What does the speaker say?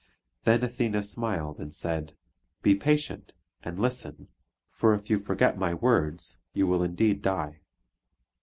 Then Athene smiled and said: "Be patient, and listen; for if you forget my words, you will indeed die.